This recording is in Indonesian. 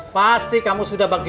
pasti kamu sudah bagi